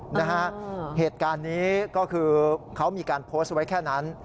นะฮะเหตุการณ์นี้ก็คือเขามีการโพสต์ไว้แค่นั้น